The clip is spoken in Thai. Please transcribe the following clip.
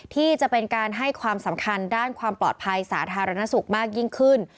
ที่จะเป็นการให้ความสำคัญด้านความปลอดภัยสาธารณสุขมากยิ่งขึ้น